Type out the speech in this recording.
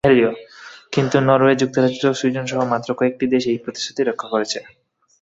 কিন্তু নরওয়ে, যুক্তরাজ্য, সুইডেনসহ মাত্র কয়েকটি দেশ সেই প্রতিশ্রুতি রক্ষা করেছে।